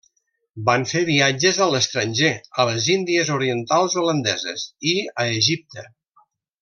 Van fer viatges a l'estranger, a les Índies orientals holandeses i a Egipte.